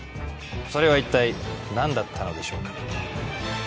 それは一体何だったのでしょうか